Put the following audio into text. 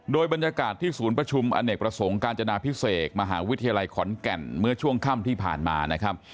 โดยบรรยากาศที่ศูนย์ประชุมอเนกประสงค์กาญจนาพิเศษมหาวิทยาลัยขอนแก่นเมื่อช่วงค่ำที่ผ่านมานะครับ